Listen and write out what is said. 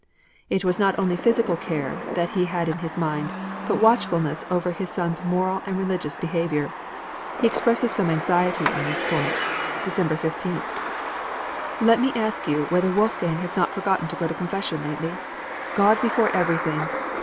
It was not only physical care that he had in his mind, but watchfulness over his son's moral and religious behaviour. He expresses some anxiety on these points (December 15). Let me ask you whether Wolfgang has not forgotten to go to confession lately? God before everything!